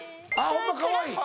ホンマかわいい。